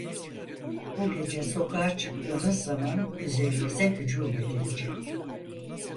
Bu gece sokağa çıktığınız zaman üzerinize hücum edilecek…